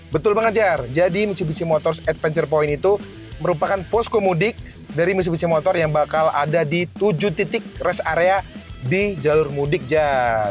betul banget jar jadi mitsubishi motors adventure point itu merupakan posko mudik dari mitsubishi motors yang bakal ada di tujuh titik rest area di jalur mudik jar